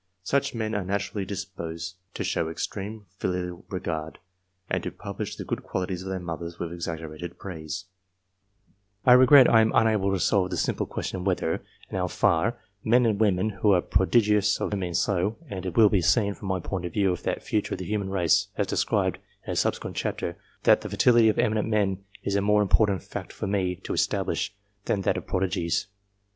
Such men are naturally disposed to show extreme filial: Tegard, and to publish the good qualities of their mothers, with exaggerated praise. I regret I am unable to solve the simple question whether, and how far, men and women who are prodigies \ of genius, are infertile. I have, however, shown, that men of eminence, such as the Judges, are by no means so, and it will be seen, from my point of view of the future of the human race, as described in a subsequent chapter, that the fertility of eminent men is a more important fact for me to establish, than that of prodigies.